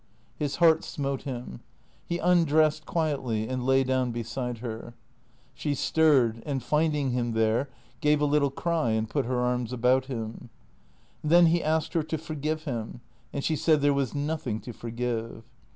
His heart smote him. He undressed quietly and lay down be side her. She stirred ; and, finding him there, gave a little cry and put her arms about him. And then he asked her to forgive him, and she said there was nothing to forgive.